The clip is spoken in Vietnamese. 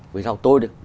vì sao tôi được